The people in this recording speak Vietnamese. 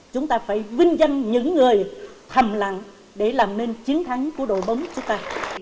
chúng ta phải vinh danh những người thầm lặng để làm nên chiến thắng của đội bóng chúng ta